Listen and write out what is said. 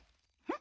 ん？